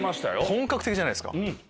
本格的じゃないですか！